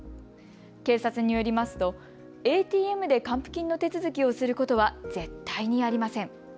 警察によりますとＡＴＭで還付金の手続きをすることは絶対にありません。